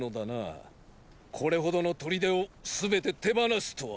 これほどの砦を全て手放すとは。